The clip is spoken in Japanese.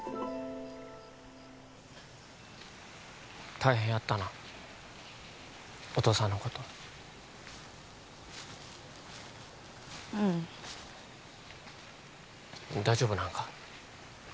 大変やったなお父さんのことうん大丈夫なんか？